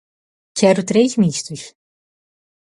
Quero três mistos